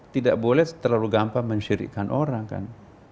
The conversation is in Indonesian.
tidak boleh terlalu gampang mensyirikkan orang kan